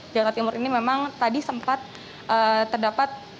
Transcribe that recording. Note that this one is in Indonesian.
jakarta timur ini memang tadi sempat terdapat